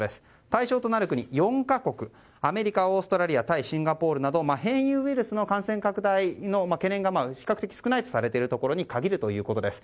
対象となる国は４か国アメリカ、オーストラリアタイ、シンガポールなど変異ウイルスの感染拡大の懸念が比較的少ないとされているところに限るということです。